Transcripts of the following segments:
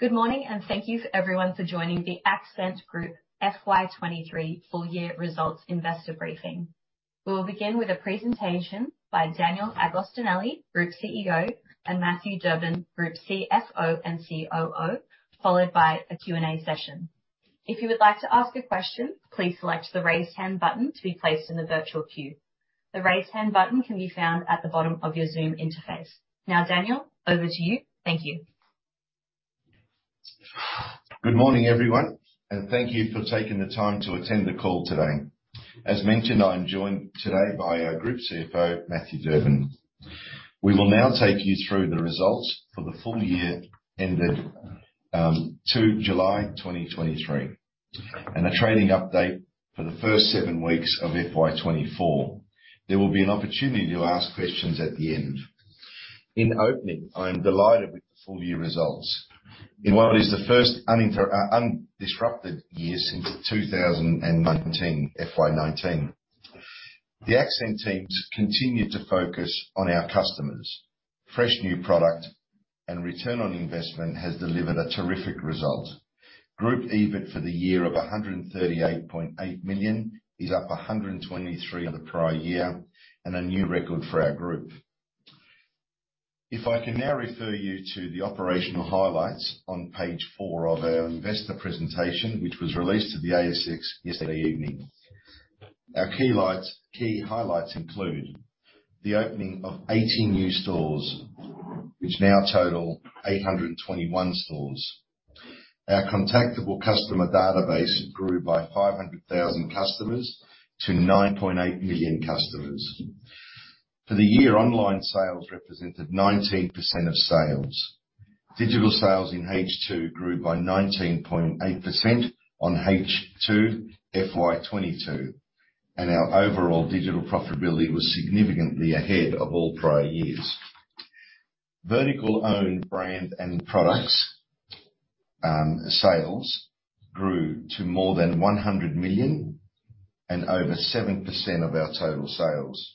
Good morning, and thank you everyone for joining the Accent Group FY 2023 full year results investor briefing. We will begin with a presentation by Daniel Agostinelli, Group CEO, and Matthew Durbin, Group CFO and COO, followed by a Q&A session. If you would like to ask a question, please select the Raise Hand button to be placed in the virtual queue. The Raise Hand button can be found at the bottom of your Zoom interface. Now, Daniel, over to you. Thank you. Good morning, everyone, and thank you for taking the time to attend the call today. As mentioned, I am joined today by our Group CFO, Matthew Durbin. We will now take you through the results for the full year ended 2 July 2023, and a trading update for the first seven weeks of FY 2024. There will be an opportunity to ask questions at the end. In opening, I am delighted with the full year results. In what is the first undisrupted year since 2019, FY 2019. The Accent teams continued to focus on our customers. Fresh new product and return on investment has delivered a terrific result. Group EBIT for the year of 138.8 million, is up 123 on the prior year, and a new record for our group. If I can now refer you to the operational highlights on page four of our investor presentation, which was released to the ASX yesterday evening. Our key highlights include: the opening of 18 new stores, which now total 821 stores. Our contactable customer database grew by 500,000 customers to 9.8 million customers. For the year, online sales represented 19% of sales. Digital sales in H2 grew by 19.8% on H2 FY 2022, and our overall digital profitability was significantly ahead of all prior years. Vertical Own Brand and products sales grew to more than 100 million and over 7% of our total sales.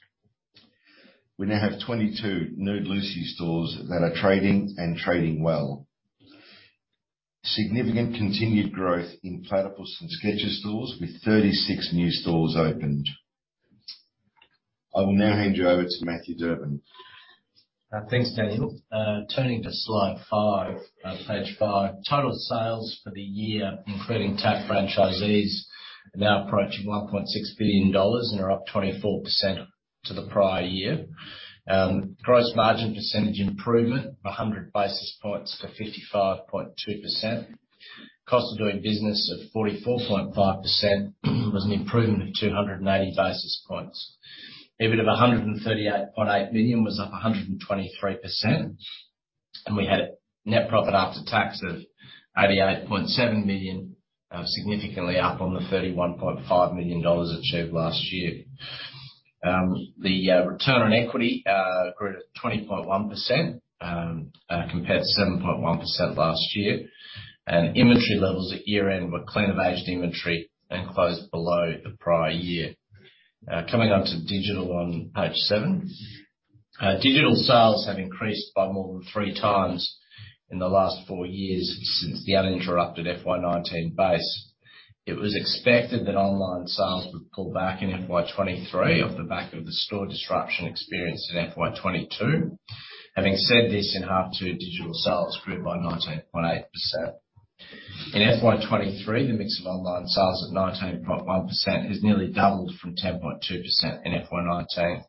We now have 22 Nude Lucy stores that are trading, and trading well. Significant continued growth in Platypus and Skechers stores, with 36 new stores opened. I will now hand you over to Matthew Durbin. Thanks, Daniel. Turning to slide five, page five. Total sales for the year, including TAF franchisees, are now approaching 1.6 billion dollars and are up 24% to the prior year. Gross margin percentage improvement of 100 basis points to 55.2%. Cost of doing business of 44.5% was an improvement of 280 basis points. EBIT of 138.8 million was up 123%, and we had a net profit after tax of 88.7 million, significantly up on the 31.5 million dollars achieved last year. The return on equity grew to 20.1%, compared to 7.1% last year. Inventory levels at year-end were clean of aged inventory and closed below the prior year. Coming on to digital on page seven. Digital sales have increased by more than three times in the last four years since the uninterrupted FY 2019 base. It was expected that online sales would pull back in FY 2023 off the back of the store disruption experienced in FY 2022. Having said this, in half two, digital sales grew by 19.8%. In FY 2023, the mix of online sales at 19.1% has nearly doubled from 10.2% in FY 2019.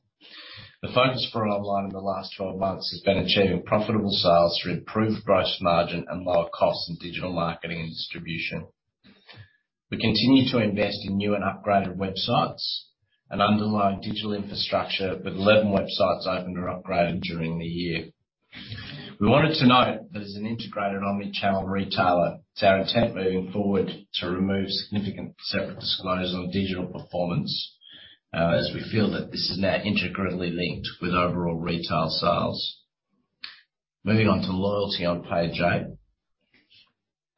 The focus for online in the last twelve months has been achieving profitable sales through improved gross margin and lower costs in digital marketing and distribution. We continue to invest in new and upgraded websites and underlying digital infrastructure, with 11 websites opened or upgraded during the year. We wanted to note that as an integrated omni-channel retailer, it's our intent moving forward to remove significant separate disclosure on digital performance, as we feel that this is now intricately linked with overall retail sales. Moving on to loyalty on page eight.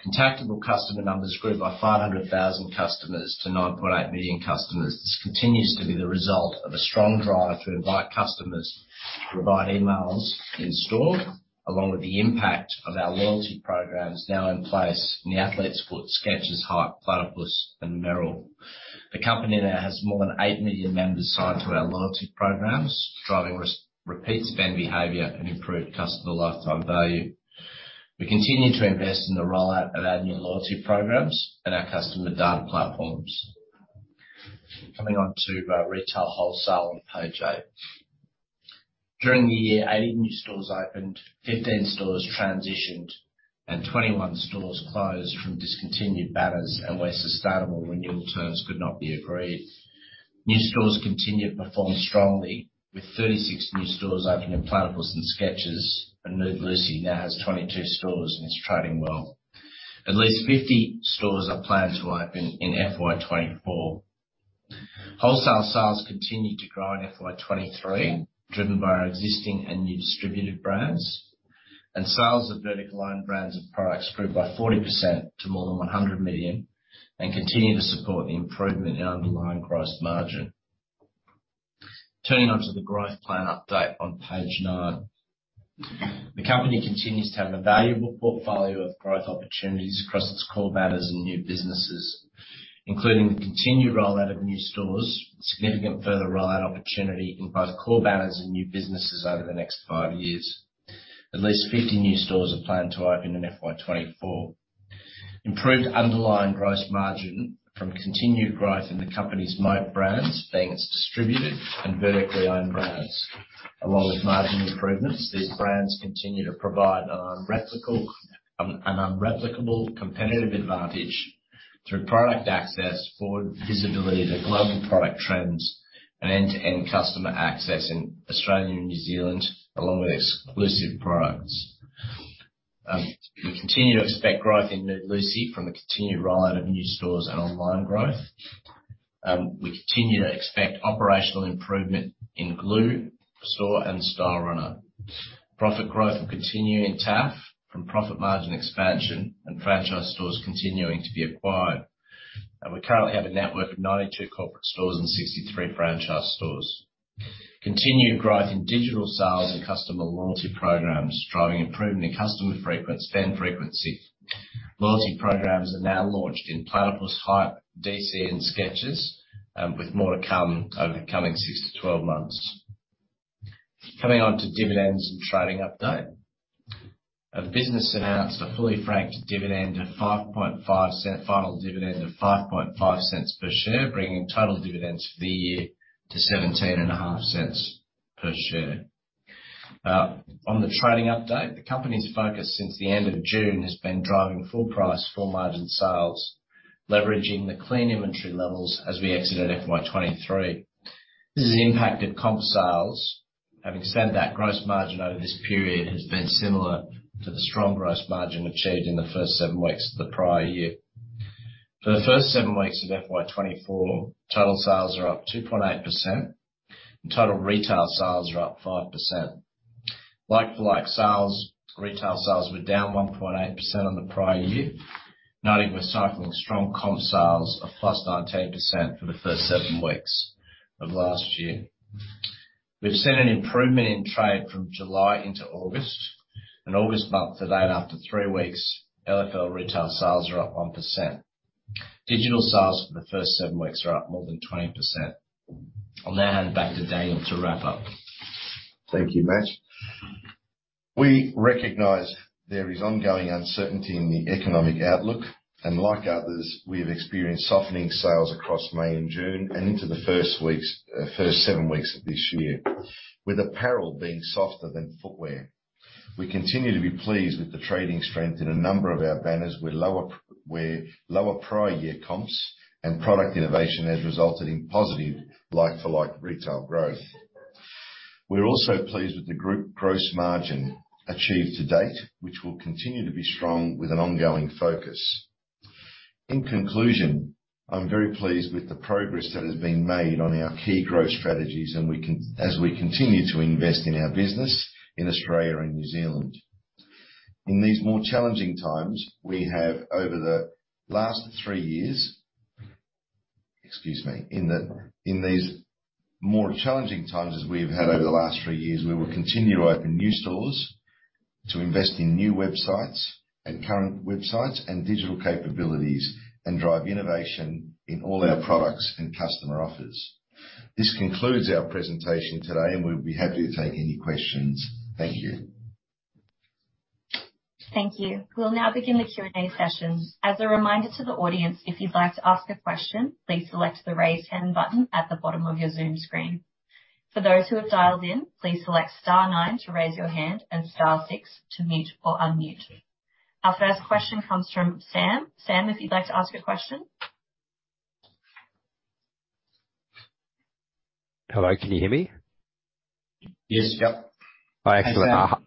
Contactable customer numbers grew by 500,000 customers to 9.8 million customers. This continues to be the result of a strong drive to invite customers to provide emails in store, along with the impact of our loyalty programs now in place in The Athlete's Foot, Skechers, Hype, Platypus, and Merrell. The company now has more than 8 million members signed to our loyalty programs, driving repeat spend behavior and improved customer lifetime value. We continue to invest in the rollout of our new loyalty programs and our customer data platforms. Coming on to retail wholesale on page eight. During the year, 80 new stores opened, 15 stores transitioned, and 21 stores closed from discontinued banners and where sustainable renewal terms could not be agreed. New stores continued to perform strongly, with 36 new stores opening in Platypus and Skechers, and Nude Lucy now has 22 stores and is trading well. At least 50 stores are planned to open in FY 2024. Wholesale sales continued to grow in FY 2023, driven by our existing and new distributed brands. Sales of Vertical Own Brands and products grew by 40% to more than 100 million and continue to support the improvement in underlying gross margin. Turning on to the growth plan update on page nine. The company continues to have a valuable portfolio of growth opportunities across its core banners and new businesses, including the continued rollout of new stores, significant further rollout opportunity in both core banners and new businesses over the next five years. At least 50 new stores are planned to open in FY 2024. Improved underlying gross margin from continued growth in the company's moat brands, being its distributed and vertically owned brands. Along with margin improvements, these brands continue to provide an unreplicable competitive advantage through product access, forward visibility to global product trends, and end-to-end customer access in Australia and New Zealand, along with exclusive products. We continue to expect growth in Nude Lucy from the continued rollout of new stores and online growth. We continue to expect operational improvement in Glue Store and Stylerunner. Profit growth will continue in TAF from profit margin expansion and franchise stores continuing to be acquired. We currently have a network of 92 corporate stores and 63 franchise stores. Continued growth in digital sales and customer loyalty programs, driving improvement in customer frequency and frequency. Loyalty programs are now launched in Platypus, Hype DC, and Skechers, with more to come over the coming six to 12 months. Coming on to dividends and trading update. Our business announced a fully franked final dividend of 0.055 per share, bringing total dividends for the year to 0.175 per share. On the trading update, the company's focus since the end of June has been driving full price, full margin sales, leveraging the clean inventory levels as we exited FY 2023. This has impacted comp sales. Having said that, gross margin over this period has been similar to the strong gross margin achieved in the first seven weeks of the prior year. For the first seven weeks of FY 2024, total sales are up 2.8%, and total retail sales are up 5%. Like-for-Like Sales, retail sales were down 1.8% on the prior year, noting we're cycling strong Comp Sales of +19% for the first seven weeks of last year. We've seen an improvement in trade from July into August. In August, month to date, after three weeks, LFL retail sales are up 1%. Digital sales for the first seven weeks are up more than 20%. I'll now hand back to Daniel to wrap up. Thank you, Matt. We recognize there is ongoing uncertainty in the economic outlook, and like others, we have experienced softening sales across May and June and into the first seven weeks of this year, with apparel being softer than footwear. We continue to be pleased with the trading strength in a number of our banners, where lower prior year comps and product innovation has resulted in positive like-for-like retail growth. We're also pleased with the group gross margin achieved to date, which will continue to be strong with an ongoing focus. In conclusion, I'm very pleased with the progress that has been made on our key growth strategies, and as we continue to invest in our business in Australia and New Zealand. In these more challenging times, we have over the last three years... Excuse me. In these more challenging times, as we've had over the last three years, we will continue to open new stores, to invest in new websites and current websites and digital capabilities, and drive innovation in all our products and customer offers. This concludes our presentation today, and we'll be happy to take any questions. Thank you. Thank you. We'll now begin the Q&A session. As a reminder to the audience, if you'd like to ask a question, please select the Raise Hand button at the bottom of your Zoom screen. For those who have dialed in, please select star nine to raise your hand and star six to mute or unmute. Our first question comes from Sam. Sam, if you'd like to ask a question? Hello, can you hear me? Yes. Yep. Hi. Excellent. Hi, Sam.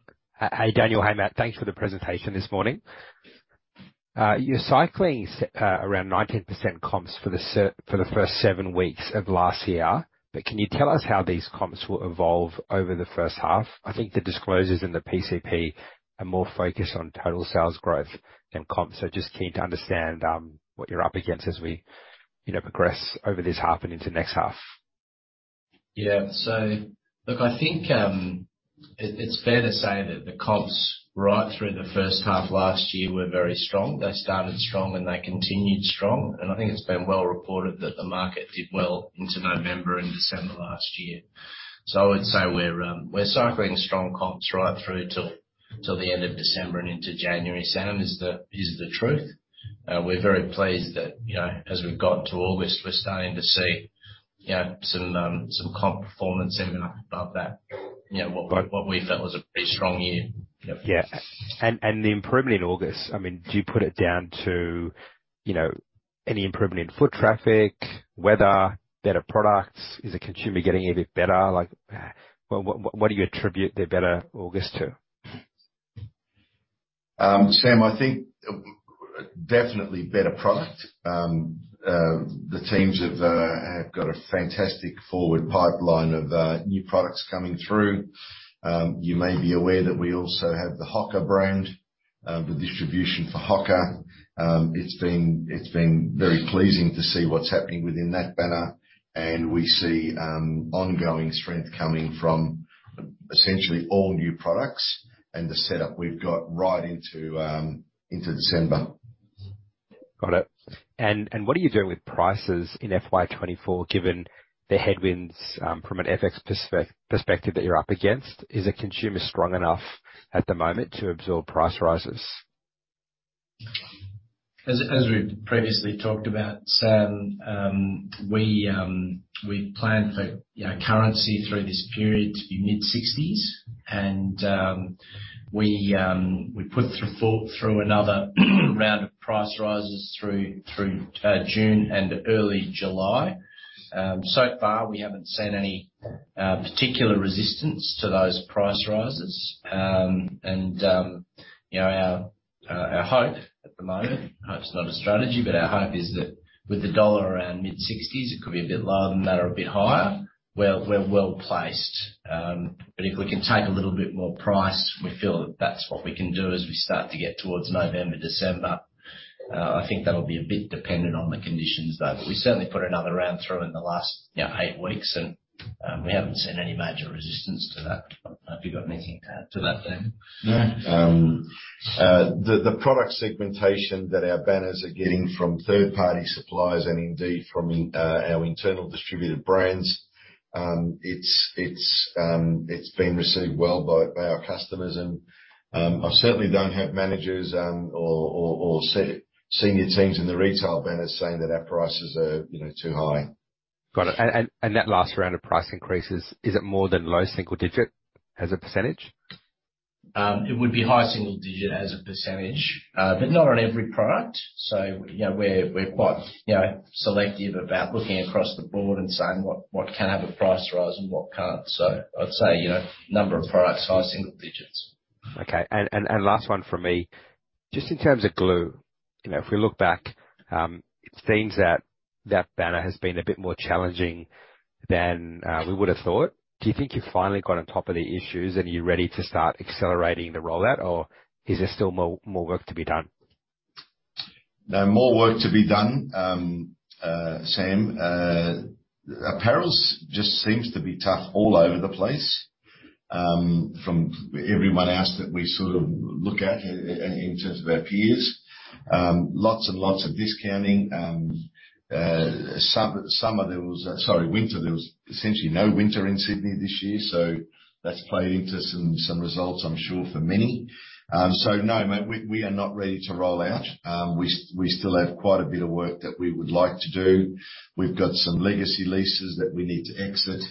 Hey, Daniel. Hey, Matt. Thanks for the presentation this morning. You're cycling around 19% comps for the first seven weeks of last year. But can you tell us how these comps will evolve over the first half? I think the disclosures in the PCP are more focused on total sales growth than comps. So just keen to understand what you're up against as we, you know, progress over this half and into next half. Yeah. So look, I think it's fair to say that the comps right through the first half last year were very strong. They started strong, and they continued strong, and I think it's been well reported that the market did well into November and December last year. So I would say we're cycling strong comps right through to till the end of December and into January, Sam, is the truth. We're very pleased that, you know, as we've got to August, we're starting to see, you know, some comp performance even above that. You know, what we felt was a pretty strong year. Yep. Yeah. And the improvement in August, I mean, do you put it down to, you know, any improvement in foot traffic, weather, better products? Is the consumer getting a bit better? Like, what do you attribute the better August to? Sam, I think definitely better product. The teams have got a fantastic forward pipeline of new products coming through. You may be aware that we also have the HOKA brand, the distribution for HOKA. It's been very pleasing to see what's happening within that banner, and we see ongoing strength coming from essentially all new products and the setup we've got right into December. Got it. And what are you doing with prices in FY 2024, given the headwinds from an FX perspective that you're up against? Is the consumer strong enough at the moment to absorb price rises? As we've previously talked about, Sam, we planned for, you know, currency through this period to be mid-60s And we put through another round of price rises through June and early July. So far, we haven't seen any particular resistance to those price rises. And you know, our hope at the moment, hope's not a strategy, but our hope is that with the dollar around mid-60s, it could be a bit lower than that or a bit higher, we're well placed. But if we can take a little bit more price, we feel that that's what we can do as we start to get towards November, December. I think that'll be a bit dependent on the conditions, though. But we certainly put another round through in the last, you know, eight weeks, and, we haven't seen any major resistance to that. Have you got anything to add to that, Dan? No. The product segmentation that our banners are getting from third-party suppliers and indeed from our internal distributed brands, it's been received well by our customers. And I certainly don't have managers or senior teams in the retail banners saying that our prices are, you know, too high. Got it. And that last round of price increases, is it more than low single digit as a percentage? It would be high single digit as a percentage, but not on every product. So, you know, we're quite, you know, selective about looking across the board and saying, "What can have a price rise and what can't?" So I'd say, you know, number of products, high single digits. Okay. And last one from me. Just in terms of Glue, you know, if we look back, it seems that that banner has been a bit more challenging than we would've thought. Do you think you've finally got on top of the issues, and are you ready to start accelerating the rollout, or is there still more work to be done? No, more work to be done, Sam. Apparel just seems to be tough all over the place, from everyone else that we sort of look at in terms of our peers. Lots and lots of discounting. Summer, there was... Sorry, winter, there was essentially no winter in Sydney this year, so that's played into some results, I'm sure, for many. So no, mate, we are not ready to roll out. We still have quite a bit of work that we would like to do. We've got some legacy leases that we need to exit.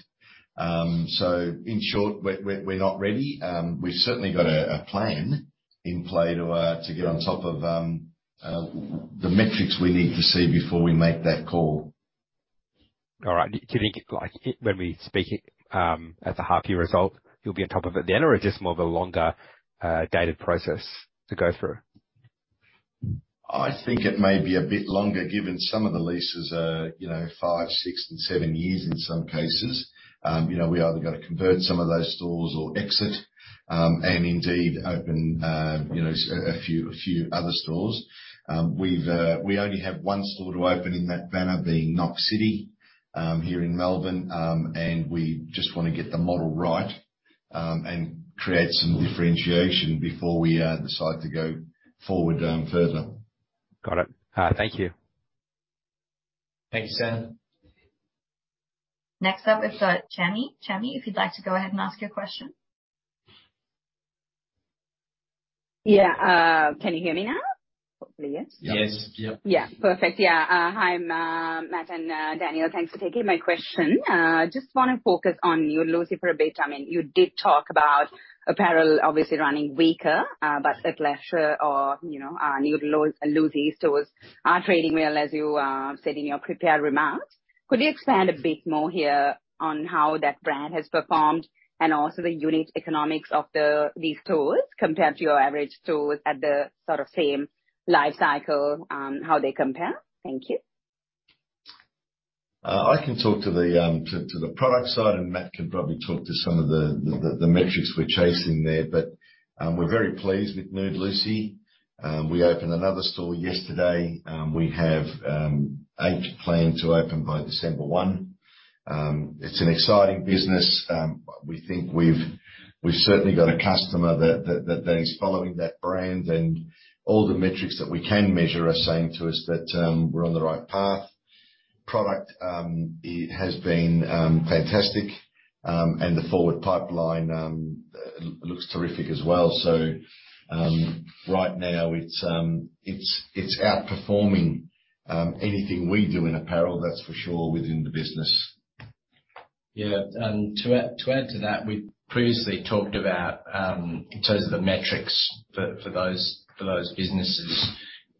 So in short, we're not ready. We've certainly got a plan in play to get on top of the metrics we need to see before we make that call. All right. Do you think, like, when we speak at the half year result, you'll be on top of it then, or is this more of a longer dated process to go through? I think it may be a bit longer, given some of the leases are, you know, five, six, and seven years in some cases. You know, we either got to convert some of those stores or exit, and indeed open, you know, a few other stores. We only have 1 store to open in that banner, being Knox City, here in Melbourne. And we just wanna get the model right, and create some differentiation before we decide to go forward further. Got it. Thank you. Thanks, Sam. Next up is Chami. Chami, if you'd like to go ahead and ask your question. Yeah. Can you hear me now? Hopefully, yes. Yes. Yes. Yep. Yeah. Perfect. Yeah. Hi, Matt and Daniel. Thanks for taking my question. Just wanna focus on Nude Lucy for a bit. I mean, you did talk about apparel obviously running weaker, but athleisure or, you know, Nude Lucy stores are trading well, as you said in your prepared remarks. Could you expand a bit more here on how that brand has performed and also the unique economics of these stores compared to your average stores at the sort of same life cycle, how they compare? Thank you. I can talk to the product side, and Matt can probably talk to some of the metrics we're chasing there. But, we're very pleased with Nude Lucy. We opened another store yesterday, we have eight planned to open by December one. It's an exciting business. We think we've certainly got a customer that is following that brand, and all the metrics that we can measure are saying to us that we're on the right path. Product it has been fantastic, and the forward pipeline looks terrific as well. So, right now it's outperforming anything we do in apparel, that's for sure, within the business. Yeah. And to add to that, we previously talked about in terms of the metrics for those businesses,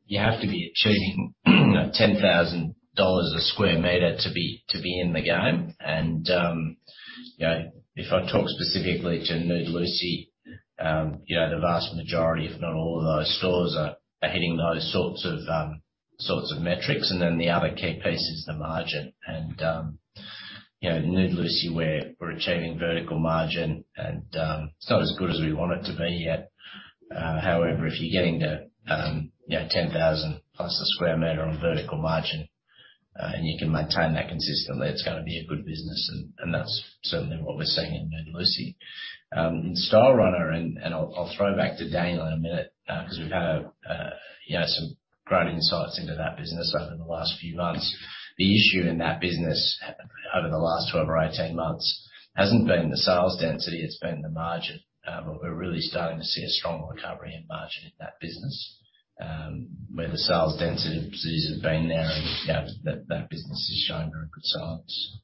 you have to be achieving 10,000 dollars a square meter to be in the game. And you know, if I talk specifically to Nude Lucy, you know, the vast majority, if not all of those stores, are hitting those sorts of metrics, and then the other key piece is the margin. And you know, Nude Lucy, we're achieving vertical margin, and it's not as good as we want it to be yet. However, if you're getting to you know, 10,000+ a square meter on vertical margin, and you can maintain that consistently, it's gonna be a good business, and that's certainly what we're seeing in Nude Lucy. In Stylerunner, and I'll throw back to Daniel in a minute, because we've had, you know, some great insights into that business over the last few months. The issue in that business over the last 12 or 18 months hasn't been the sales density, it's been the margin. But we're really starting to see a strong recovery in margin in that business, where the sales density has been there, and, you know, that business is showing very good signs.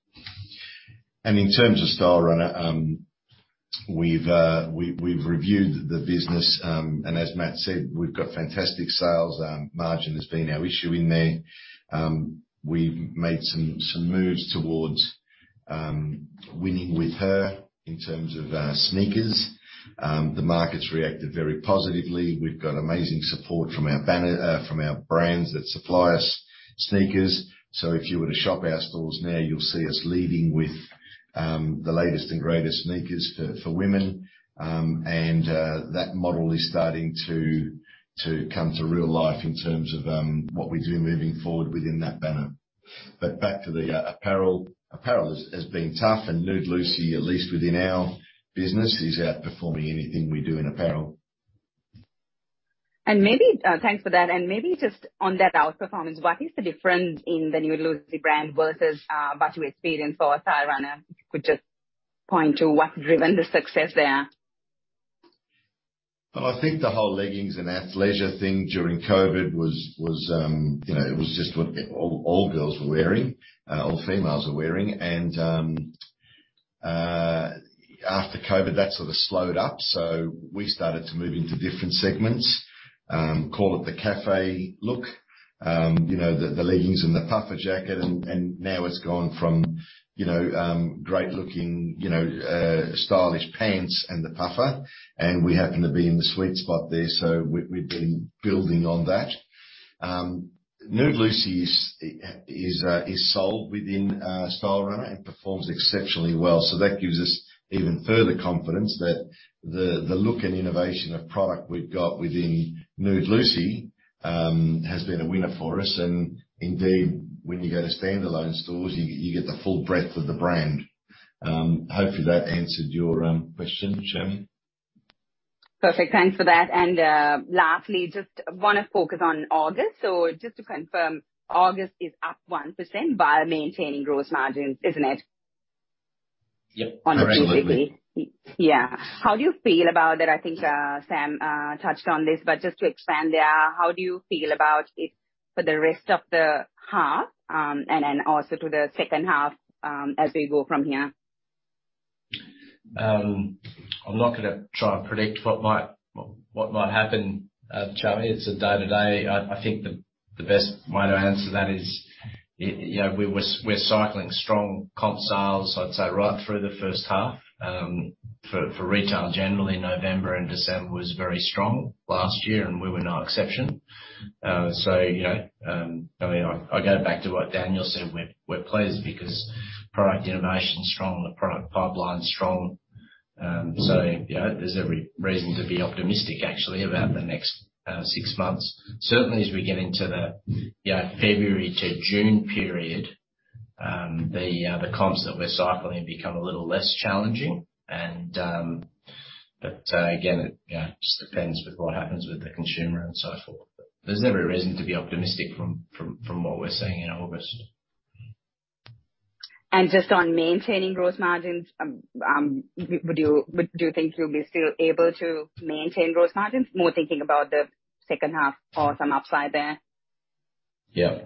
In terms of Stylerunner, we've reviewed the business, and as Matt said, we've got fantastic sales. Margin has been our issue in there. We've made some moves towards winning with HOKA in terms of sneakers. The market's reacted very positively. We've got amazing support from our brands that supply us sneakers. So if you were to shop our stores now, you'll see us leading with the latest and greatest sneakers for women. And that model is starting to come to real life in terms of what we do moving forward within that banner. But back to the apparel. Apparel has been tough, and Nude Lucy, at least within our business, is outperforming anything we do in apparel. Maybe, thanks for that. Maybe just on that outperformance, what is the difference in the Nude Lucy brand versus that of Seed and for Stylerunner? If you could just point to what's driven the success there. Well, I think the whole leggings and athleisure thing during COVID was, you know, it was just what all girls were wearing, all females were wearing. After COVID, that sort of slowed up, so we started to move into different segments. Call it the cafe look, you know, the leggings and the puffer jacket, and now it's gone from, you know, great-looking, you know, stylish pants and the puffer, and we happen to be in the sweet spot there, so we've been building on that. Nude Lucy is sold within Stylerunner and performs exceptionally well. So that gives us even further confidence that the look and innovation of product we've got within Nude Lucy has been a winner for us. Indeed, when you go to standalone stores, you get the full breadth of the brand. Hopefully, that answered your question, Chami. Perfect. Thanks for that. Lastly, just wanna focus on August. So just to confirm, August is up 1% while maintaining gross margins, isn't it? Yep. Absolutely. Yeah. How do you feel about that? I think, Sam, touched on this, but just to expand there, how do you feel about it for the rest of the half, and then also to the second half, as we go from here? I'm not gonna try and predict what might, what, what might happen, Chami. It's a day-to-day. I, I think the, the best way to answer that is, you know, we're, we're cycling strong comp sales, I'd say, right through the first half. For, for retail, generally, November and December was very strong last year, and we were no exception. So, you know, I mean, I, I go back to what Daniel said, we're, we're pleased because product innovation is strong, the product pipeline is strong. So, you know, there's every reason to be optimistic, actually, about the next, six months. Certainly, as we get into the, you know, February to June period, the, the comps that we're cycling become a little less challenging. But again, it you know just depends with what happens with the consumer and so forth. There's every reason to be optimistic from what we're seeing in August. Just on maintaining gross margins, do you think you'll be still able to maintain gross margins? More thinking about the second half or some upside there. Yeah.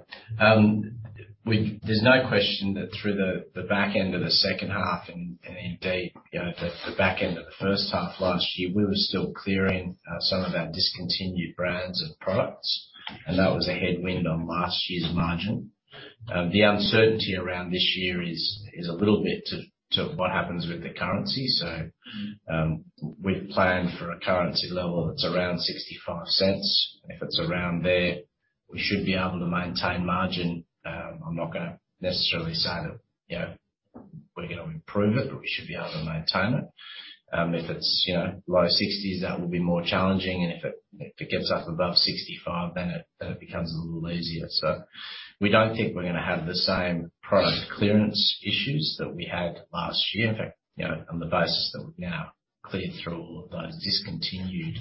We There's no question that through the back end of the second half, and indeed, you know, the back end of the first half last year, we were still clearing some of our discontinued brands and products, and that was a headwind on last year's margin. The uncertainty around this year is a little bit to what happens with the currency. So, we've planned for a currency level that's around 0.65. If it's around there, we should be able to maintain margin. I'm not gonna necessarily say that, you know, we're gonna improve it, but we should be able to maintain it. If it's, you know, low 60s, that will be more challenging, and if it gets up above 0.65, then it becomes a little easier. We don't think we're gonna have the same product clearance issues that we had last year. In fact, you know, on the basis that we've now cleared through all of those discontinued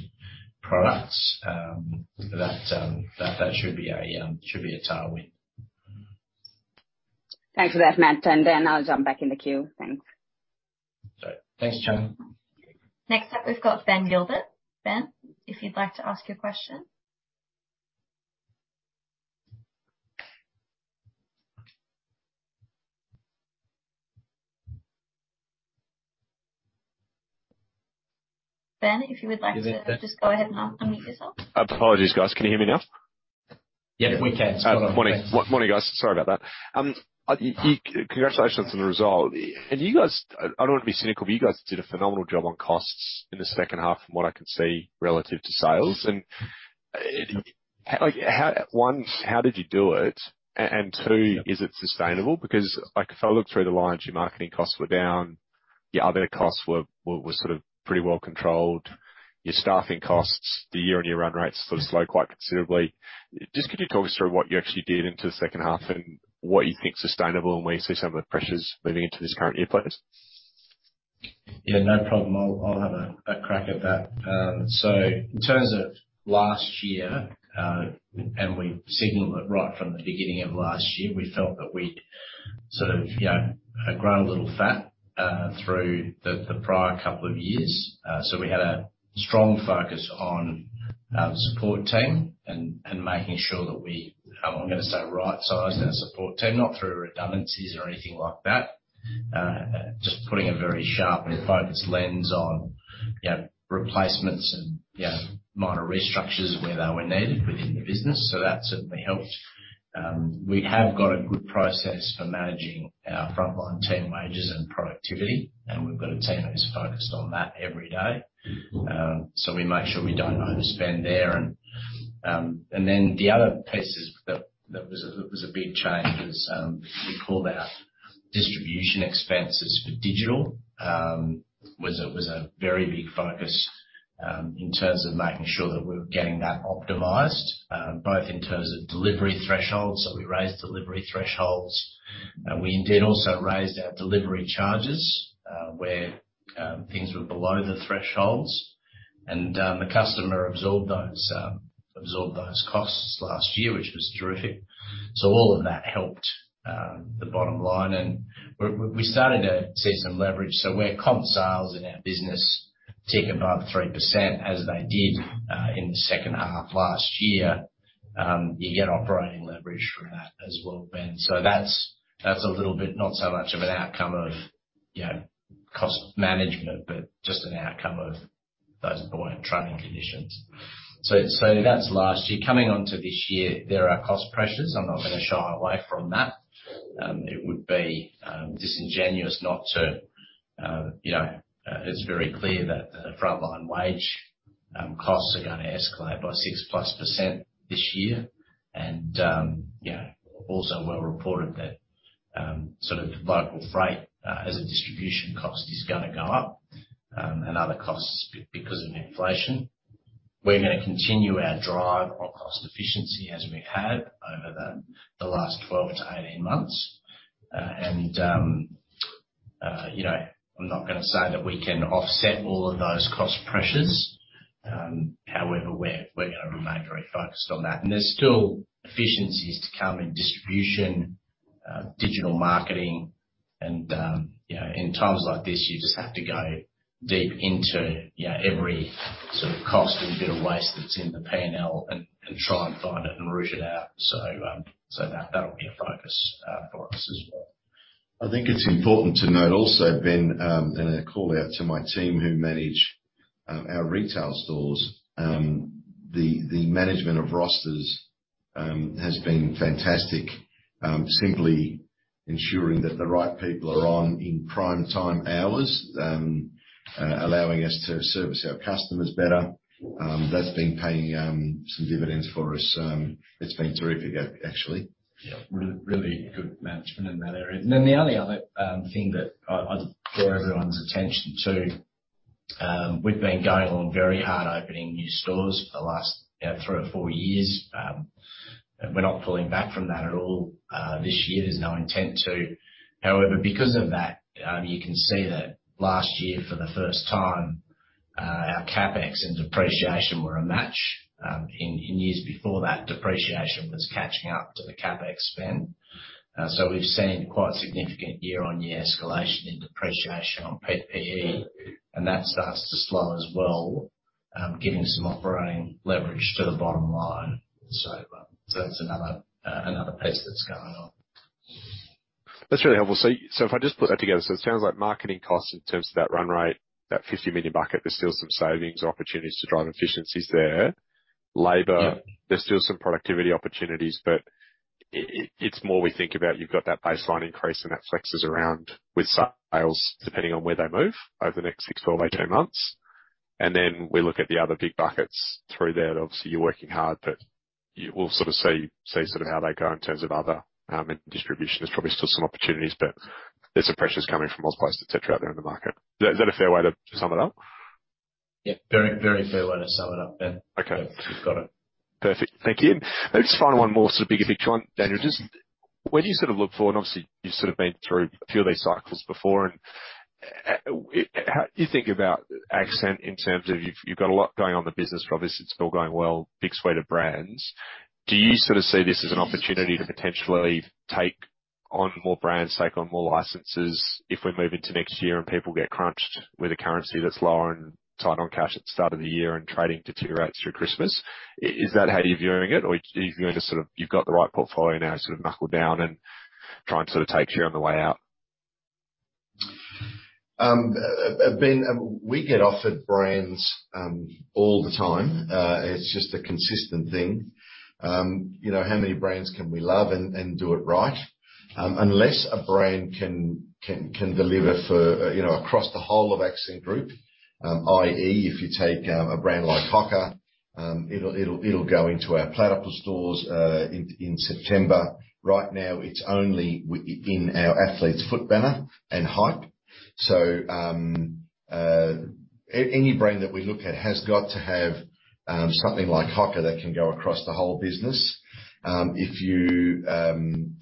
products, that should be a tailwind. Thanks for that, Matt. And then I'll jump back in the queue. Thanks. Sorry. Thanks, Chami. Next up, we've got Ben Gilbert. Ben, if you'd like to ask your question. Ben, if you would like to just go ahead and unmute yourself. Apologies, guys. Can you hear me now? Yep, we can. Morning. Morning, guys. Sorry about that. Congratulations on the result. And you guys, I don't want to be cynical, but you guys did a phenomenal job on costs in the second half, from what I can see, relative to sales. And, Like, how? One, how did you do it? And two, is it sustainable? Because, like, if I look through the lines, your marketing costs were down, your other costs were sort of pretty well controlled. Your staffing costs, the year-on-year run rates sort of slowed quite considerably. Just could you talk us through what you actually did into the second half, and what you think is sustainable, and where you see some of the pressures moving into this current year, please? Yeah, no problem. I'll have a crack at that. In terms of last year, and we signaled it right from the beginning of last year, we felt that we'd sort of, you know, grown a little fat through the prior couple of years. We had a strong focus on the support team and making sure that we, I'm gonna say, right-sized our support team, not through redundancies or anything like that, just putting a very sharp and focused lens on, you know, replacements and, yeah, minor restructures where they were needed within the business. So that certainly helped. We have got a good process for managing our frontline team wages and productivity, and we've got a team that is focused on that every day. We make sure we don't overspend there. Then the other pieces that was a big change was we pulled our distribution expenses for digital. Was a very big focus in terms of making sure that we were getting that optimized both in terms of delivery thresholds, so we raised delivery thresholds. And we indeed also raised our delivery charges where things were below the thresholds. And the customer absorbed those costs last year, which was terrific. So all of that helped the bottom line. And we started to see some leverage. So where comp sales in our business tick above 3%, as they did in the second half last year, you get operating leverage from that as well, Ben. So that's a little bit not so much of an outcome of, you know, cost management, but just an outcome of those buoyant trading conditions. So that's last year. Coming on to this year, there are cost pressures. I'm not gonna shy away from that. It would be disingenuous not to, you know... It's very clear that the frontline wage costs are gonna escalate by 6%+ this year. And, you know, also well reported that sort of local freight as a distribution cost is gonna go up, and other costs because of inflation. We're gonna continue our drive on cost efficiency as we've had over the last 12 to 18 months. You know, I'm not gonna say that we can offset all of those cost pressures, however, we're gonna remain very focused on that. And there's still efficiencies to come in distribution, digital marketing, and, you know, in times like this, you just have to go deep into, you know, every sort of cost and bit of waste that's in the P&L and try and find it and root it out. So, that'll be a focus for us as well. I think it's important to note also, Ben, and a call out to my team who manage our retail stores, the management of rosters has been fantastic. Simply ensuring that the right people are on in prime time hours, allowing us to service our customers better. That's been paying some dividends for us. It's been terrific actually. Yeah. Really good management in that area. And then the only other thing that I, I'd bear everyone's attention to, we've been going on very hard opening new stores for the last, you know, three or four years. We're not pulling back from that at all, this year, there's no intent to. However, because of that, you can see that last year, for the first time, our CapEx and depreciation were a match. In years before that, depreciation was catching up to the CapEx spend. So we've seen quite significant year-on-year escalation in depreciation on PPE, and that starts to slow as well, giving some operating leverage to the bottom line. So that's another piece that's going on. That's really helpful. So, so if I just put that together, so it sounds like marketing costs in terms of that run rate, that 50 million bucket, there's still some savings opportunities to drive efficiencies there. Labor- Yeah. There's still some productivity opportunities, but it's more we think about you've got that baseline increase, and that flexes around with sales, depending on where they move over the next six, 12, or 18 months. And then we look at the other big buckets through there that obviously you're working hard, but we'll sort of see how they go in terms of other distribution. There's probably still some opportunities, but there's some pressures coming from all places et cetera out there in the market. Is that a fair way to sum it up? Yeah. Very, very fair way to sum it up, Ben. Okay. You've got it. Perfect. Thank you. Let me just find one more sort of bigger picture one. Daniel, just when you sort of look forward, obviously, you've sort of been through a few of these cycles before, and how do you think about Accent in terms of you've, you've got a lot going on in the business, obviously, it's all going well, big suite of brands. Do you sort of see this as an opportunity to potentially take on more brands, take on more licenses if we move into next year and people get crunched with a currency that's lower and tighter on cash at the start of the year and trading deteriorates through Christmas? Is that how you're viewing it, or are you going to sort of you've got the right portfolio now, sort of knuckle down and try and sort of take share on the way out? Ben, we get offered brands all the time. It's just a consistent thing. You know, how many brands can we love and do it right? Unless a brand can deliver for, you know, across the whole of Accent Group, i.e., if you take a brand like HOKA. It'll go into our Platypus stores in September. Right now, it's only in our Athlete's Foot banner and Hype. So, any brand that we look at has got to have something like HOKA that can go across the whole business. If you...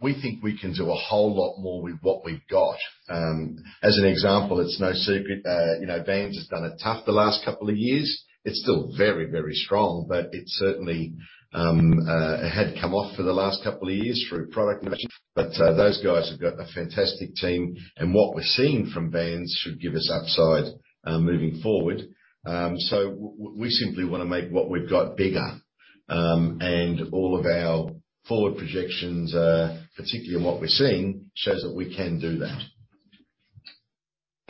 We think we can do a whole lot more with what we've got. As an example, it's no secret, you know, Vans has done it tough the last couple of years. It's still very, very strong, but it certainly had come off for the last couple of years through product innovation. But those guys have got a fantastic team, and what we're seeing from Vans should give us upside moving forward. So we simply wanna make what we've got bigger. And all of our forward projections, particularly what we're seeing, shows that we can do that.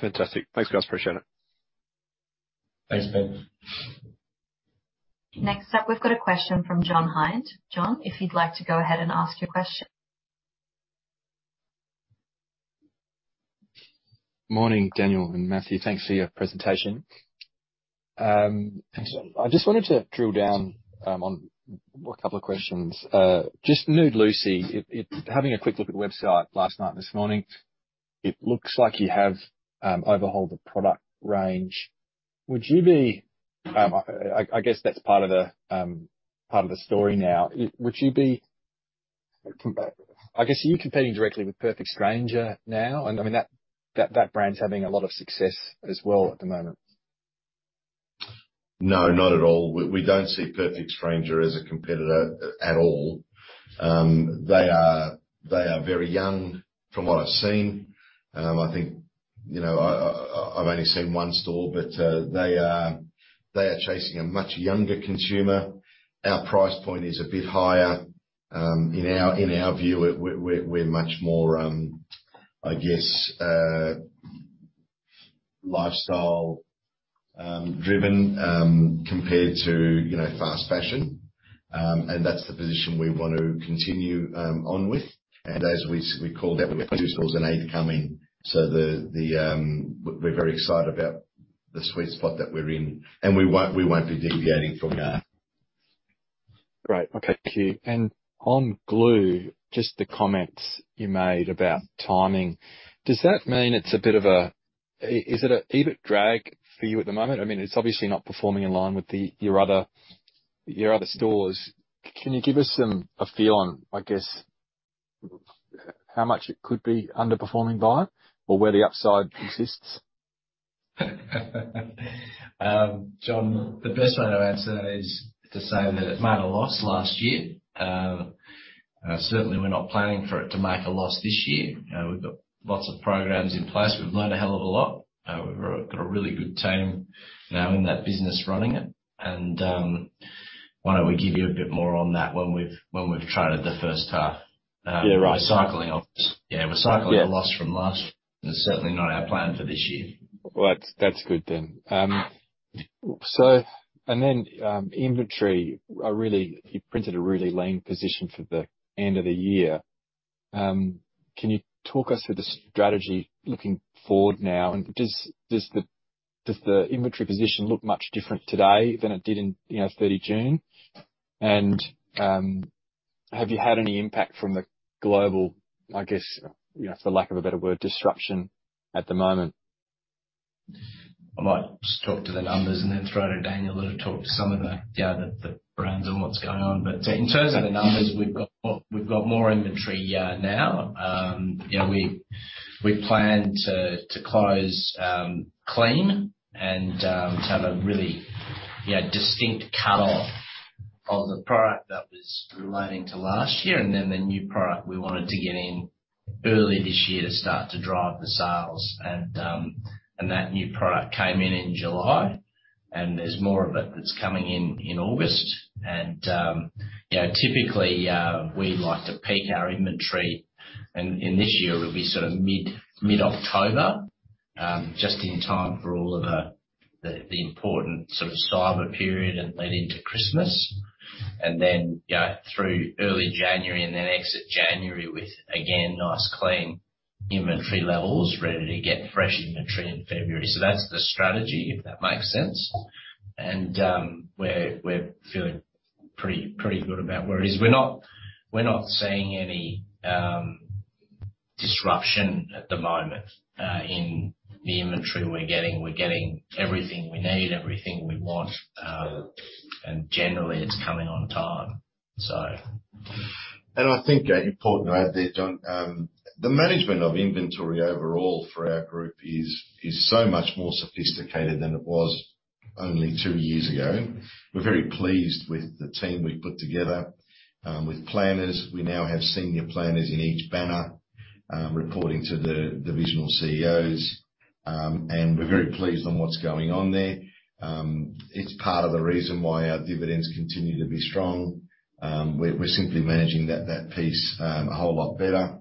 Fantastic. Thanks, guys. Appreciate it. Thanks, Ben. Next up, we've got a question from John Hynd. John, if you'd like to go ahead and ask your question. Morning, Daniel and Matthew. Thanks for your presentation. I just wanted to drill down on a couple of questions. Just Nude Lucy. Having a quick look at the website last night and this morning, it looks like you have overhauled the product range. Would you be, I guess that's part of the story now. Would you be, I guess, are you competing directly with Perfect Stranger now? And I mean, that brand's having a lot of success as well at the moment. No, not at all. We don't see Perfect Stranger as a competitor at all. They are very young, from what I've seen. I think, you know, I've only seen one store, but they are chasing a much younger consumer. Our price point is a bit higher. In our view, we're much more, I guess, lifestyle driven, compared to, you know, fast fashion. And that's the position we want to continue on with. And as we call that, we have two stores in Adelaide coming. So, we're very excited about the sweet spot that we're in, and we won't be deviating from that. Great. Okay, thank you. And on Glue, just the comments you made about timing, does that mean it's a bit of a... is it an EBIT drag for you at the moment? I mean, it's obviously not performing in line with the, your other, your other stores. Can you give us some, a feel on, I guess, how much it could be underperforming by, or where the upside exists? John, the best way to answer that is to say that it made a loss last year. Certainly we're not planning for it to make a loss this year. You know, we've got lots of programs in place. We've learned a hell of a lot. We've got a really good team now in that business, running it. Why don't we give you a bit more on that when we've traded the first half? Yeah, right. Recycling office. Yeah, recycling- Yes. A loss from last year is certainly not our plan for this year. Well, that's, that's good then. So and then, inventory really, you printed a really lean position for the end of the year. Can you talk us through the strategy looking forward now? And does the inventory position look much different today than it did in, you know, 30 June? And, have you had any impact from the global, I guess, you know, for lack of a better word, disruption at the moment? I might just talk to the numbers and then throw to Daniel to talk to some of the other brands and what's going on. But in terms of the numbers, we've got more inventory now. You know, we plan to close clean and to have a really, you know, distinct cut-off of the product that was relating to last year, and then the new product we wanted to get in early this year to start to drive the sales. And that new product came in in July, and there's more of it that's coming in in August. And, you know, typically, we like to peak our inventory, and in this year it will be sort of mid-October, just in time for all of the important sort of cyber period and leading to Christmas. And then, you know, through early January, and then exit January with, again, nice, clean inventory levels ready to get fresh inventory in February. So that's the strategy, if that makes sense. And, we're feeling pretty good about where it is. We're not seeing any disruption at the moment in the inventory we're getting. We're getting everything we need, everything we want, and generally it's coming on time. So... I think an important to add there, John, the management of inventory overall for our group is so much more sophisticated than it was only two years ago. We're very pleased with the team we've put together with planners. We now have senior planners in each banner reporting to the divisional CEOs. And we're very pleased on what's going on there. It's part of the reason why our dividends continue to be strong. We're simply managing that piece a whole lot better.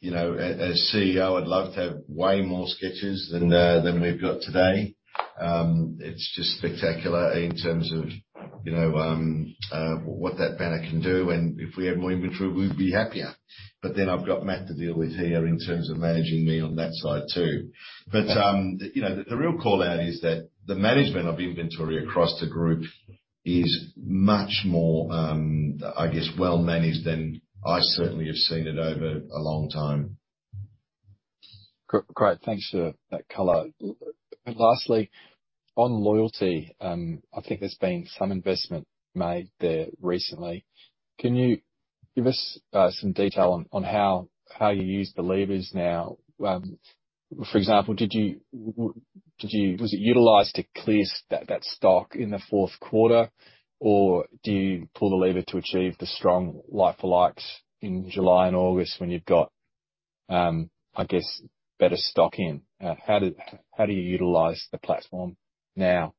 You know, as CEO, I'd love to have way more Skechers than we've got today. It's just spectacular in terms of you know what that banner can do, and if we had more inventory, we'd be happier. But then I've got Matt to deal with here in terms of managing me on that side, too. But, you know, the real call out is that the management of inventory across the group is much more, I guess, well managed than I certainly have seen it over a long time. Great. Thanks for that color. Lastly, on loyalty, I think there's been some investment made there recently. Can you give us some detail on how you use the levers now? For example, was it utilized to clear that stock in the fourth quarter? Or do you pull the lever to achieve the strong like-for-likes in July and August when you've got, I guess, better stock in? How do you utilize the platform now?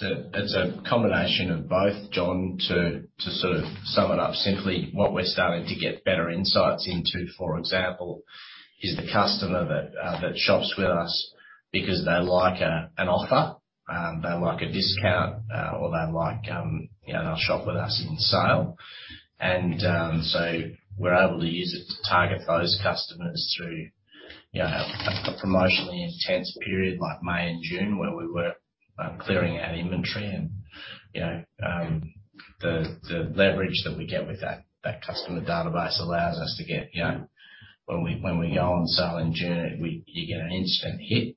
It's a combination of both, John, to sort of sum it up simply, what we're starting to get better insights into, for example, is the customer that that shops with us because they like an offer, they like a discount, or they like, you know, they'll shop with us in sale. And so we're able to use it to target those customers through, you know, a promotionally intense period, like May and June, where we were clearing out inventory. And, you know, the leverage that we get with that customer database allows us to get, you know, when we go on sale in June, we-- you get an instant hit.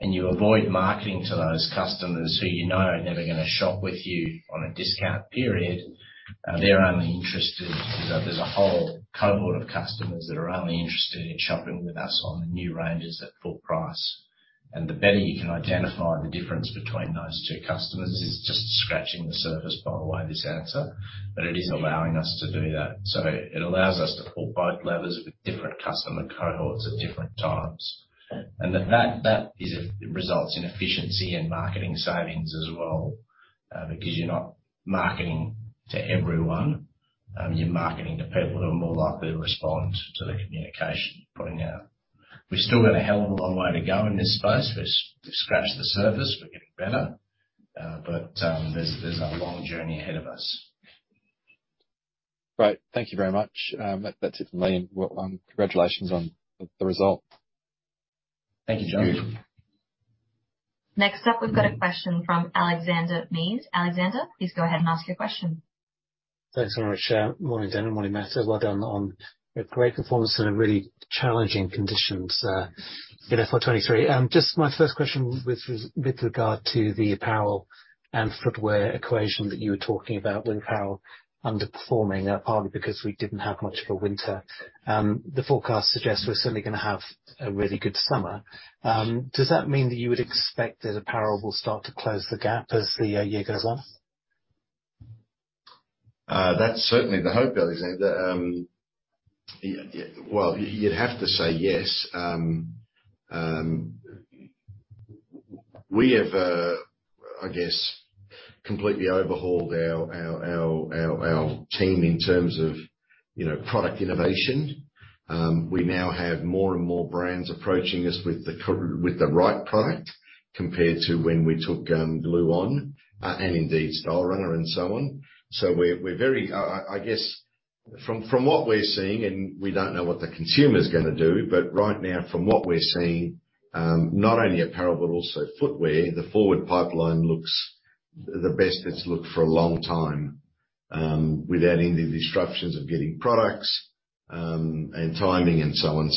And you avoid marketing to those customers who you know are never gonna shop with you on a discount period. They're only interested. You know, there's a whole cohort of customers that are only interested in shopping with us on the new ranges at full price. And the better you can identify the difference between those two customers, this is just scratching the surface, by the way, this answer, but it is allowing us to do that. So it allows us to pull both levers with different customer cohorts at different times. And that results in efficiency and marketing savings as well. Because you're not marketing to everyone, you're marketing to people who are more likely to respond to the communication you're putting out. We've still got a hell of a long way to go in this space. We've scratched the surface. We're getting better, but there's a long journey ahead of us. Great. Thank you very much. That's it from me, and, well, congratulations on the result. Thank you, John. Next up, we've got a question from Alexander Mees. Alexander, please go ahead and ask your question. Thanks very much. Morning, Dan, and morning, Matt. So well done on a great performance in a really challenging conditions in FY 2023. Just my first question, which was with regard to the apparel and footwear equation that you were talking about, with apparel underperforming partly because we didn't have much of a winter. The forecast suggests we're suddenly gonna have a really good summer. Does that mean that you would expect that apparel will start to close the gap as the year goes on? That's certainly the hope, Alexander. Yeah, well, you'd have to say yes. We have, I guess, completely overhauled our team in terms of, you know, product innovation. We now have more and more brands approaching us with the right product, compared to when we took Glue Store, and indeed, Stylerunner and so on. So we're very... I guess, from what we're seeing, and we don't know what the consumer's gonna do, but right now, from what we're seeing, not only apparel, but also footwear, the forward pipeline looks the best it's looked for a long time, without any of the disruptions of getting products, and timing and so on.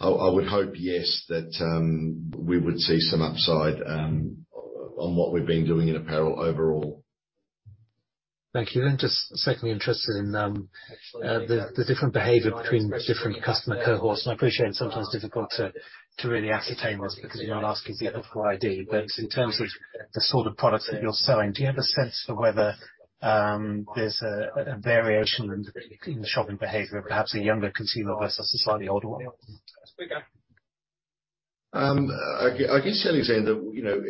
I would hope, yes, that we would see some upside on what we've been doing in apparel overall. Thank you. Then just secondly, interested in the different behavior between different customer cohorts. And I appreciate it's sometimes difficult to really ascertain this, because you're not asking people for ID. But in terms of the sort of products that you're selling, do you have a sense for whether there's a variation in the shopping behavior of perhaps a younger consumer versus a slightly older one? I guess, Alexander, you know,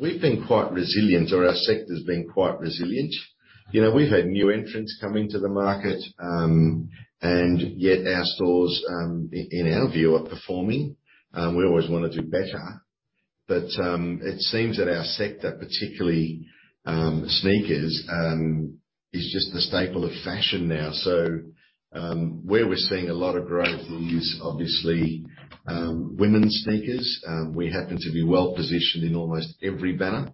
we've been quite resilient, or our sector's been quite resilient. You know, we've had new entrants come into the market, and yet our stores, in our view, are performing. We always want to do better. But, it seems that our sector, particularly, sneakers, is just the staple of fashion now. So, where we're seeing a lot of growth is obviously, women's sneakers. We happen to be well-positioned in almost every banner.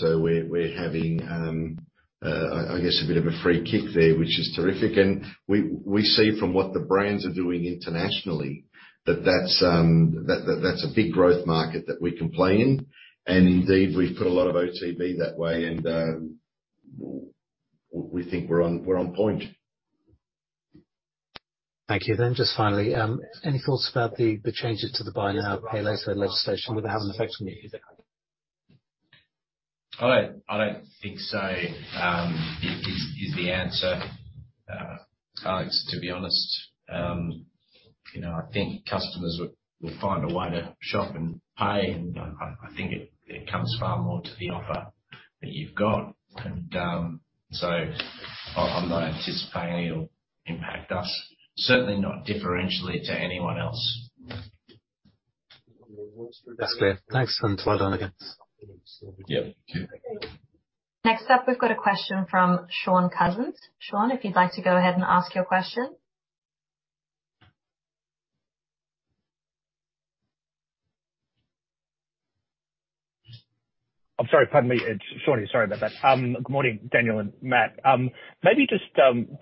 So we're having, I guess, a bit of a free kick there, which is terrific. And we see from what the brands are doing internationally, that that's a big growth market that we can play in. And indeed, we've put a lot of OTB that way, and we think we're on point. Thank you. Then, just finally, any thoughts about the, the changes to the buy now, pay later legislation, will that have an effect on you? I don't think so is the answer. Alex, to be honest, you know, I think customers will find a way to shop and pay, and I think it comes far more to the offer that you've got. So I'm not anticipating it'll impact us, certainly not differentially to anyone else. That's clear. Thanks, and well done again. Yeah. Next up, we've got a question from Shaun Cousins. Shaun, if you'd like to go ahead and ask your question. I'm sorry, pardon me. It's Shaun here. Sorry about that. Good morning, Daniel and Matt. Maybe just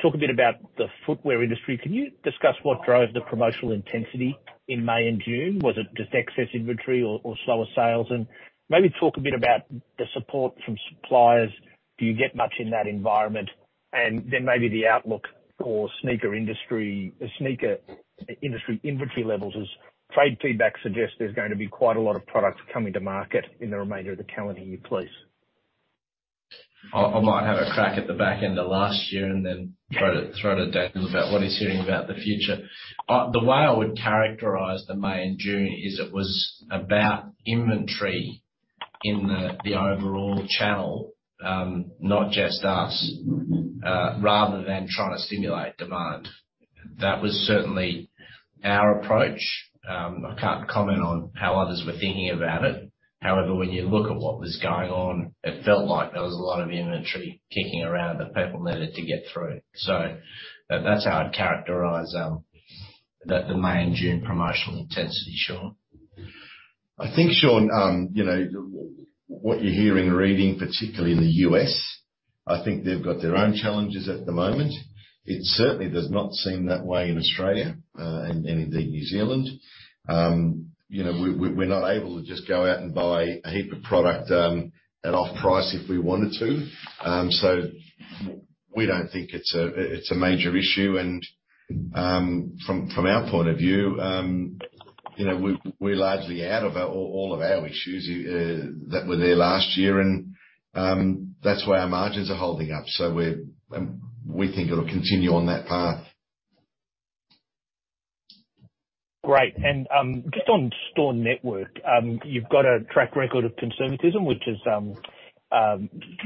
talk a bit about the footwear industry. Can you discuss what drove the promotional intensity in May and June? Was it just excess inventory or slower sales? And maybe talk a bit about the support from suppliers. Do you get much in that environment? And then maybe the outlook for sneaker industry inventory levels, as trade feedback suggests there's going to be quite a lot of products coming to market in the remainder of the calendar year, please. I might have a crack at the back end of last year and then throw to Daniel about what he's hearing about the future. The way I would characterize May and June is it was about inventory in the overall channel, not just us- Mm-hmm... rather than trying to stimulate demand. That was certainly our approach. I can't comment on how others were thinking about it. However, when you look at what was going on, it felt like there was a lot of inventory kicking around that people needed to get through. So that's how I'd characterize the May and June promotional intensity, Shaun. I think, Shaun, you know, what you're hearing and reading, particularly in the U.S., I think they've got their own challenges at the moment. It certainly does not seem that way in Australia, and indeed, New Zealand. You know, we're not able to just go out and buy a heap of product at off price if we wanted to. So we don't think it's a major issue and, from our point of view, you know, we're largely out of our-all of our issues that were there last year, and that's why our margins are holding up. So we think it'll continue on that path. Great. And, just on store network, you've got a track record of conservatism, which is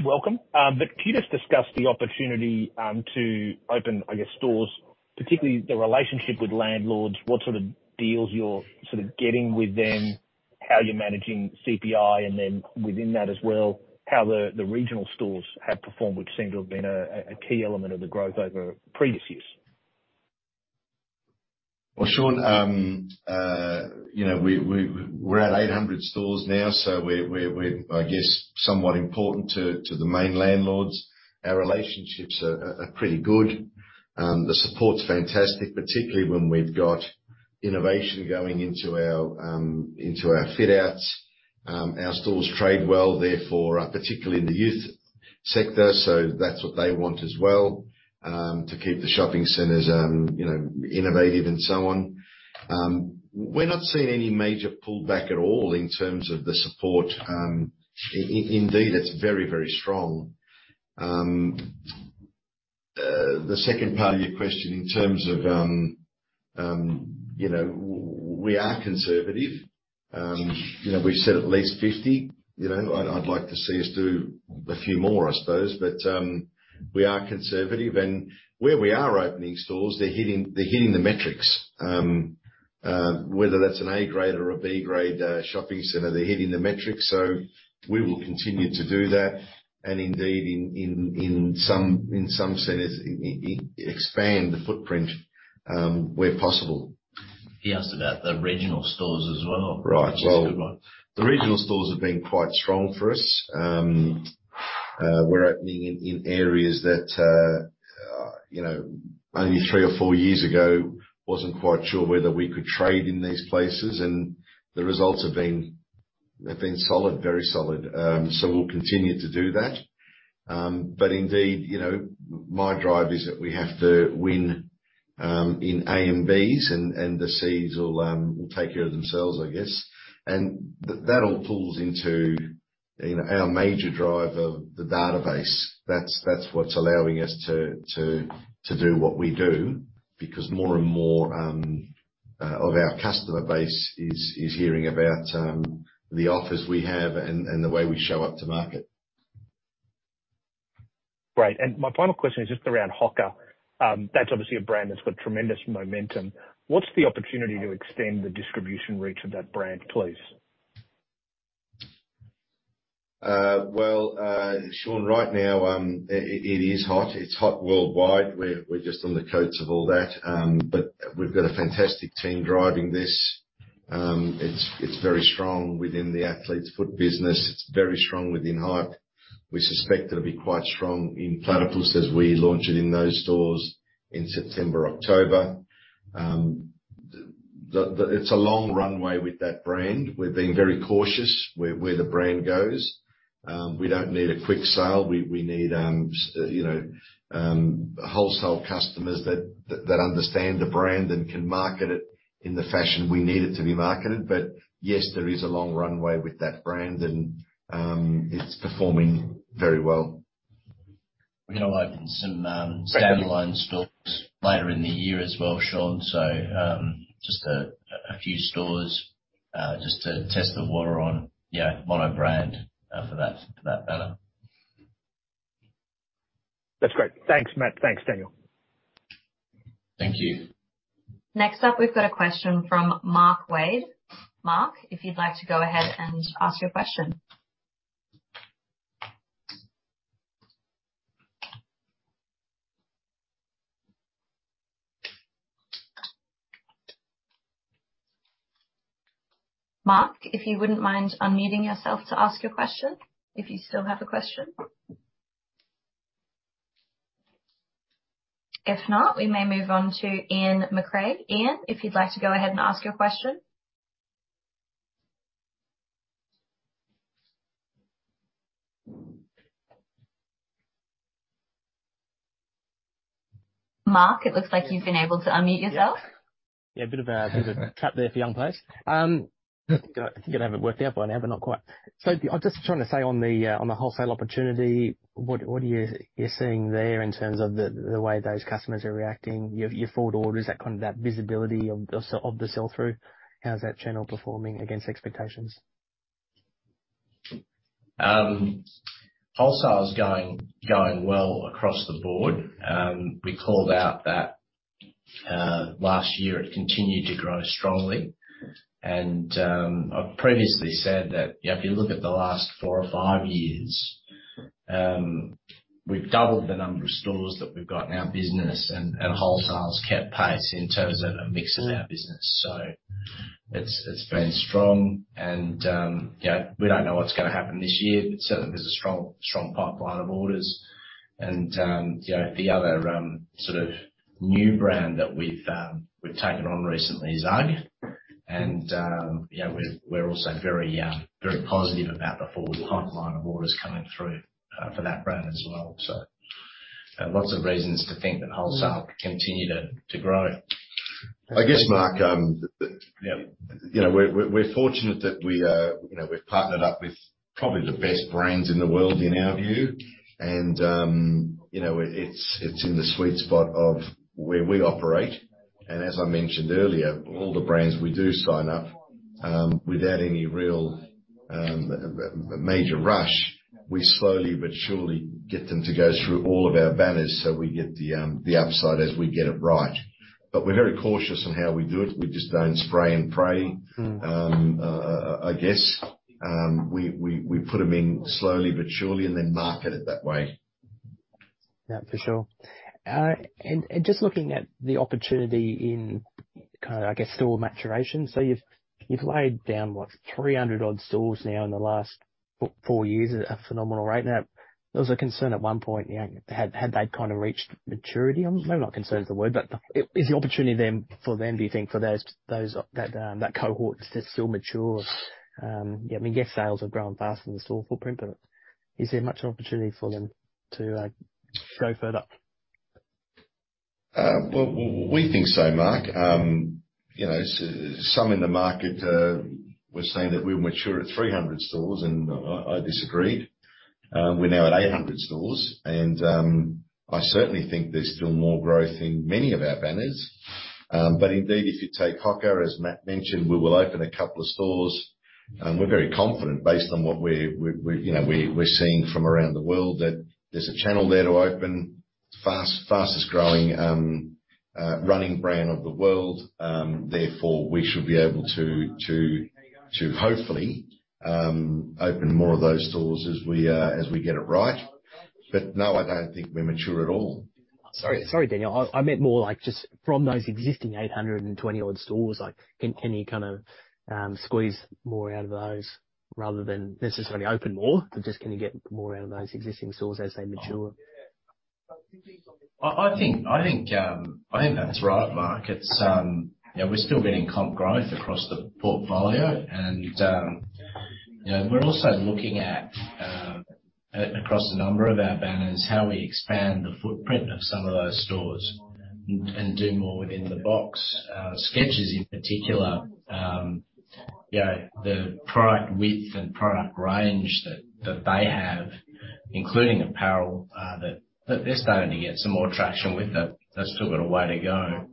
welcome. But can you just discuss the opportunity to open, I guess, stores, particularly the relationship with landlords, what sort of deals you're sort of getting with them, how you're managing CPI, and then within that as well, how the regional stores have performed, which seem to have been a key element of the growth over previous years? Well, Shaun, you know, we, we're at 800 stores now, so we're, I guess, somewhat important to the main landlords. Our relationships are pretty good. The support's fantastic, particularly when we've got innovation going into our fit outs. Our stores trade well, therefore, particularly in the youth sector, so that's what they want as well, to keep the shopping centers, you know, innovative and so on. We're not seeing any major pullback at all in terms of the support. Indeed, it's very, very strong. The second part of your question, in terms of, you know, we are conservative. You know, we've said at least 50. You know, I'd like to see us do a few more, I suppose. We are conservative, and where we are opening stores, they're hitting, they're hitting the metrics. Whether that's an A grade or a B grade shopping center, they're hitting the metrics. So we will continue to do that, and indeed, in some centers, expand the footprint where possible. He asked about the regional stores as well. Right. Which is a good one. The regional stores have been quite strong for us. We're opening in areas that you know, only three or four years ago, wasn't quite sure whether we could trade in these places. The results have been—they've been solid, very solid. So we'll continue to do that. But indeed, you know, my drive is that we have to win in A and Bs, and the Cs will take care of themselves, I guess. That all pulls into you know, our major drive of the database. That's what's allowing us to do what we do, because more and more of our customer base is hearing about the offers we have and the way we show up to market. Great. My final question is just around HOKA. That's obviously a brand that's got tremendous momentum. What's the opportunity to extend the distribution reach of that brand, please? Well, Shaun, right now, it is hot. It's hot worldwide. We're just on the coasts of all that. But we've got a fantastic team driving this. It's very strong within The Athlete's Foot business. It's very strong within Hype. We suspect it'll be quite strong in Platypus, as we launch it in those stores in September, October. It's a long runway with that brand. We're being very cautious where the brand goes. We don't need a quick sale. We need, you know, wholesale customers that understand the brand and can market it in the fashion we need it to be marketed. But yes, there is a long runway with that brand, and it's performing very well.... We're gonna open some standalone stores later in the year as well, Shaun. So, just a few stores just to test the water on, yeah, monobrand for that, for that banner. That's great. Thanks, Matt. Thanks, Daniel. Thank you. Next up, we've got a question from Mark Wade. Mark, if you'd like to go ahead and ask your question. Mark, if you wouldn't mind unmuting yourself to ask your question, if you still have a question? If not, we may move on to Ian McRae. Ian, if you'd like to go ahead and ask your question. Mark, it looks like you've been able to unmute yourself. Yeah, a bit of a trap there for young players. I think I have it worked out by now, but not quite. So I'm just trying to say on the wholesale opportunity, what are you seeing there in terms of the way those customers are reacting? Your forward orders, that kind of, that visibility of the sell-through. How's that channel performing against expectations? Wholesale is going well across the board. We called out that last year, it continued to grow strongly. And I've previously said that if you look at the last four or five years, we've doubled the number of stores that we've got in our business, and wholesale's kept pace in terms of the mix of our business. So it's been strong and, you know, we don't know what's gonna happen this year, but certainly there's a strong pipeline of orders. And you know, the other sort of new brand that we've taken on recently is HOKA. And you know, we're also very positive about the forward pipeline of orders coming through for that brand as well. So, lots of reasons to think that wholesale will continue to grow. I guess, Mark, that- Yeah. You know, we're fortunate that we, you know, we've partnered up with probably the best brands in the world, in our view. And, you know, it's in the sweet spot of where we operate. And as I mentioned earlier, all the brands we do sign up, without any real major rush, we slowly but surely get them to go through all of our banners, so we get the upside as we get it right. But we're very cautious on how we do it. We just don't spray and pray. Mm. I guess we put them in slowly but surely, and then market it that way. Yeah, for sure. And just looking at the opportunity in kind of, I guess, store maturation. So you've laid down, what? 300-odd stores now in the last four years, a phenomenal rate. Now, there was a concern at one point, you know, had that kind of reached maturity? Maybe not concern is the word, but is the opportunity then, for them, do you think, for those that cohort to still mature? Yeah, I mean, yes, sales have grown faster than the store footprint, but is there much opportunity for them to go further up? Well, we think so, Mark. You know, some in the market were saying that we were mature at 300 stores, and I disagreed. We're now at 800 stores, and I certainly think there's still more growth in many of our banners. But indeed, if you take HOKA, as Matt mentioned, we will open a couple of stores, and we're very confident, based on what we're seeing from around the world, you know, that there's a channel there to open. Fastest growing running brand of the world. Therefore, we should be able to hopefully open more of those stores as we get it right. But no, I don't think we're mature at all. Sorry, sorry, Daniel. I meant more like just from those existing 820-odd stores, like, can you kind of squeeze more out of those rather than necessarily open more? But just, can you get more out of those existing stores as they mature? I think that's right, Mark. It's, you know, we're still getting comp growth across the portfolio and, you know, we're also looking at, across a number of our banners, how we expand the footprint of some of those stores and do more within the box. Skechers in particular, you know, the product width and product range that they have, including apparel, that they're starting to get some more traction with that. That's still got a way to go.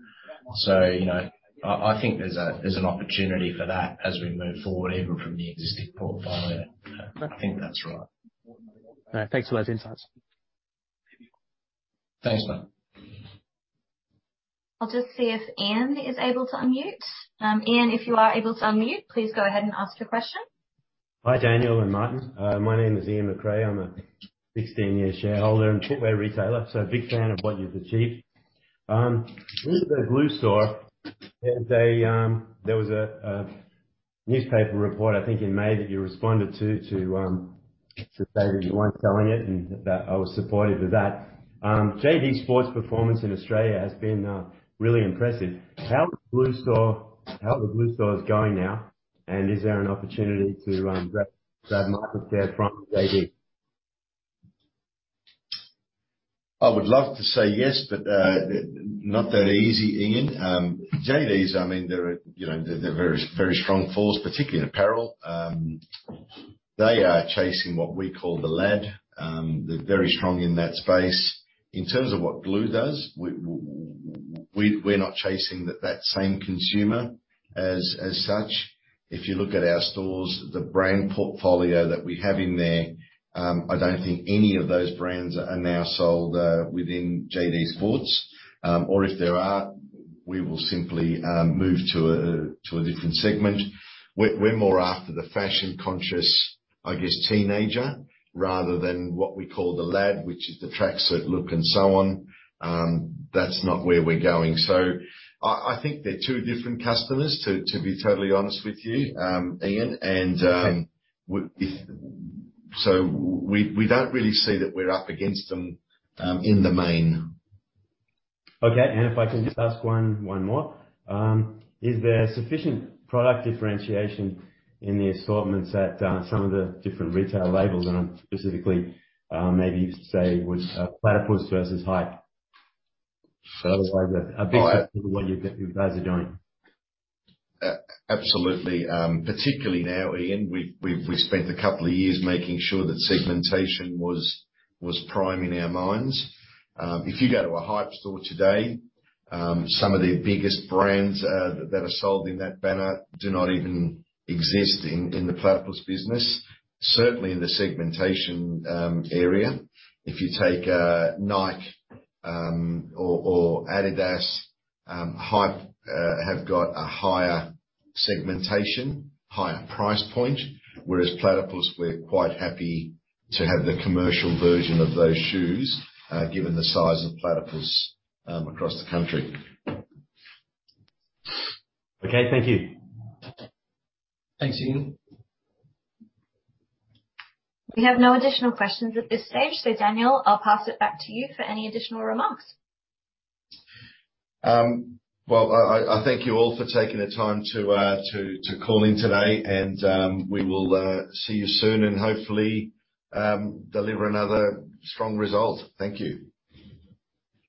So, you know, I think there's an opportunity for that as we move forward, even from the existing portfolio. I think that's right. Thanks for those insights. Thanks, Mark. I'll just see if Ian is able to unmute. Ian, if you are able to unmute, please go ahead and ask your question. Hi, Daniel and Martin. My name is Ian McRae. I'm a 16-year shareholder and footwear retailer, so a big fan of what you've achieved. In the Glue Store, there was a newspaper report, I think in May, that you responded to, to say that you weren't selling it, and that I was supportive of that. JD Sports' performance in Australia has been really impressive. How is Glue Store, how are the Glue Stores going now? And is there an opportunity to grab market share from JD? I would love to say yes, but not that easy, Ian. JD Sports, I mean, they're, you know, they're a very, very strong force, particularly in apparel. They are chasing what we call the lad. They're very strong in that space. In terms of what Glue does, well, we're not chasing that same consumer as such. If you look at our stores, the brand portfolio that we have in there, I don't think any of those brands are now sold within JD Sports. Or if there are, we will simply move to a different segment. We're more after the fashion-conscious, I guess, teenager, rather than what we call the lad, which is the tracksuit look and so on. That's not where we're going. So I think they're two different customers, to be totally honest with you, Ian. So we don't really see that we're up against them in the main. Okay. And if I can just ask one more. Is there sufficient product differentiation in the assortments at some of the different retail labels? And I'm specifically, maybe say, with Platypus versus Hype. Otherwise, a big step to what you guys are doing. Absolutely. Particularly now, Ian, we spent a couple of years making sure that segmentation was prime in our minds. If you go to a Hype store today, some of the biggest brands that are sold in that banner do not even exist in the Platypus business. Certainly in the segmentation area. If you take Nike or Adidas, Hype have got a higher segmentation, higher price point. Whereas Platypus, we're quite happy to have the commercial version of those shoes, given the size of Platypus across the country. Okay, thank you. Thanks, Ian. We have no additional questions at this stage, so Daniel, I'll pass it back to you for any additional remarks. Well, I thank you all for taking the time to call in today. We will see you soon and hopefully deliver another strong result. Thank you.